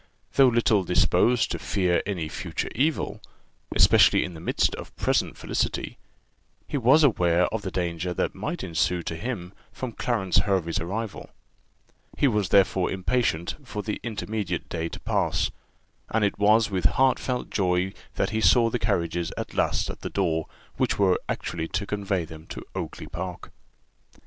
Though little disposed to fear any future evil, especially in the midst of present felicity, yet he was aware of the danger that might ensue to him from Clarence Hervey's arrival; he was therefore impatient for the intermediate day to pass, and it was with heartfelt joy that he saw the carriages at last at the door, which were actually to convey them to Oakly park.